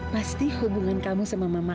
pasti hubungan kamu sama mama